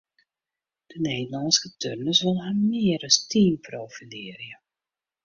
De Nederlânske turners wolle har mear as team profilearje.